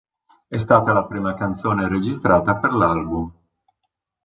È stata la prima canzone registrata per l'album.